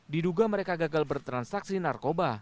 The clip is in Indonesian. diduga mereka gagal bertransaksi narkoba